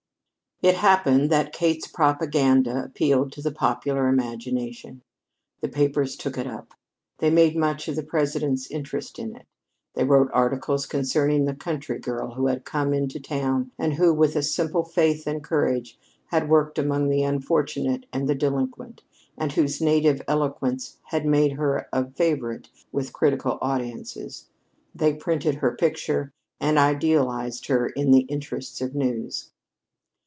It happened that Kate's propaganda appealed to the popular imagination. The papers took it up; they made much of the President's interest in it; they wrote articles concerning the country girl who had come up to town, and who, with a simple faith and courage, had worked among the unfortunate and the delinquent, and whose native eloquence had made her a favorite with critical audiences. They printed her picture and idealized her in the interests of news.